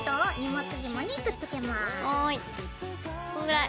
こんぐらい？